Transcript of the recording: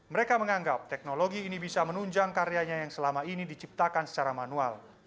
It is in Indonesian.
mereka menganggap teknologi ini bisa menunjang karyanya yang selama ini diciptakan secara manual